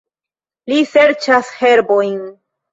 Li serĉas herbojn.